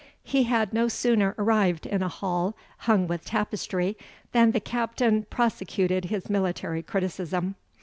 He had no sooner arrived in a hall hung with tapestry, than the Captain prosecuted his military criticism.